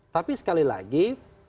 tapi sekali lagi